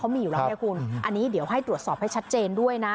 มีอยู่แล้วไงคุณอันนี้เดี๋ยวให้ตรวจสอบให้ชัดเจนด้วยนะ